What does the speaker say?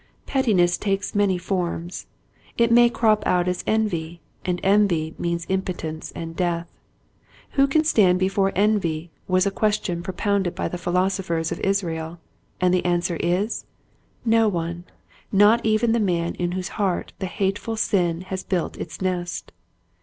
Pettiness takes many forms. It may crop out as envy and envy means impo tence and death. Who can stand before envy was a question propounded by the philosophers of Israel and the answer is, No one, not even the man in whose heart the hateful sin has built its nest.